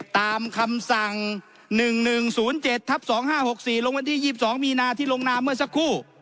ตามคำสั่งหนึ่งหนึ่งศูนย์เจ็ดทับสองห้าหกสี่ลงวันที่ยีบสองมีนาที่ลงนาเมื่อสักครู่